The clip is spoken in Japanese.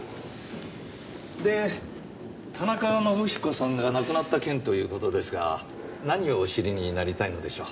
で田中伸彦さんが亡くなった件という事ですが何をお知りになりたいのでしょう？